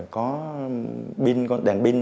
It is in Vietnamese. có đèn pin